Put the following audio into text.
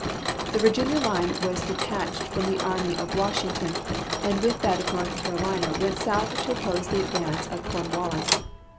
The Virginia line was detached from the army of W^ashington, and with that of North Carolina went south to oppose the advance of Cornwallis.